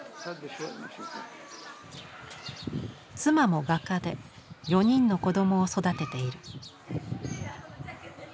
妻も画家で４人の子供を育てている。